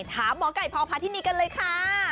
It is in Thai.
ถามหมอไก่พพาธินีกันเลยค่ะ